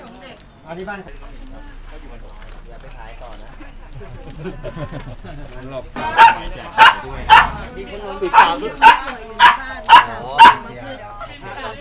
อยากเปิดประตูให้พี่หล่อมีครับขอรับมาจากพี่บิลนะครับครับ